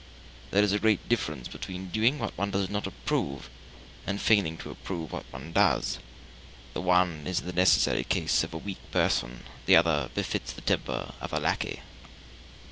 There is a great difference between doing what one does not approve and feigning to approve what one does; the one is the necessary case of a weak person, the other befits the temper of a lackey.